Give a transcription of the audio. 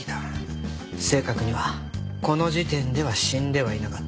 正確にはこの時点では死んではいなかった。